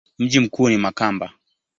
Mji mkuu ni Makamba.